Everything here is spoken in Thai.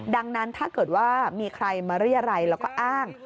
ดังนั้นถ้าเกิดว่ามีใครมาเรียรัยแล้วก็อ้าง